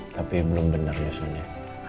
tapi belum benar menyusunnya